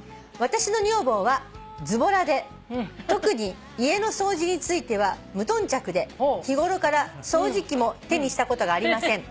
「私の女房はずぼらで特に家の掃除については無頓着で日頃から掃除機も手にしたことがありません」